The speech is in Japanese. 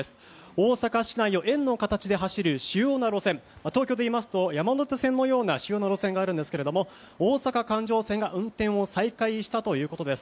大阪市内を円の形で走る主要な路線東京で言いますと山の手線のような主要な路線があるんですが大阪環状線が運転を再開したということです。